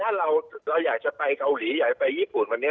ถ้าเราอยากจะไปเกาหลีอยากไปญี่ปุ่นวันนี้